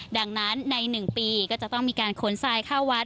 ดังนั้นใน๑ปีก็จะต้องมีการขนทรายเข้าวัด